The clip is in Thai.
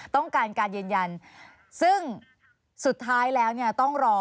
ต้องการการยืนยันซึ่งสุดท้ายแล้วเนี่ยต้องรอ